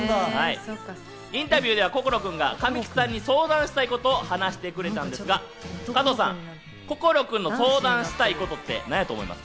インタビューでは心くんが神木さんに相談したいことを話してくれたんですが、加藤さん、心くんの相談したいことって何だと思いますか？